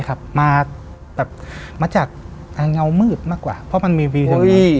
ใช่ครับมาจากเงามืดมากกว่าเพราะมันมีวีดีโอ้ย